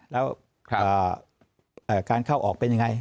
แล้วครับอ่าการเข้าออกเป็นยังไง